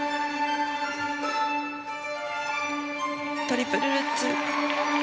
トリプルルッツ。